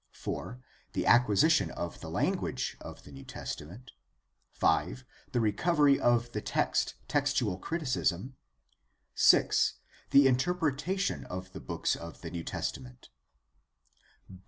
4. The acquisition of the language of the New Testament. 5. The recovery of the text: Textual criticism. 6. The interpretation of the books of the New Testament.